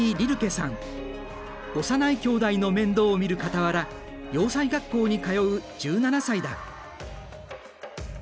幼い兄弟の面倒を見るかたわら洋裁学校に通う１７歳だ。